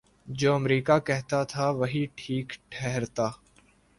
جو امریکہ کہتاتھا وہی ٹھیک ٹھہرتا۔